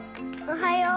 おはよう。